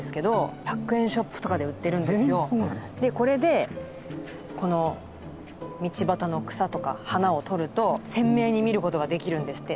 でこれでこの道端の草とか花を撮ると鮮明に見ることができるんですって。